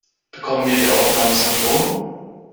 Bekommen wir die Aufnahmen synchron?